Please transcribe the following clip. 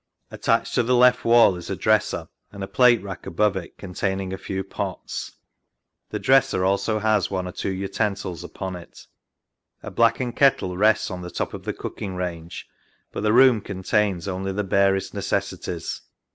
Attached to the left wall is a dresser and a plate rack above it containing a few pots. The dresser has also one or two utensils upon it. A blackened kettle rests on the top of the cooking range, but the room contains only the barest necessities.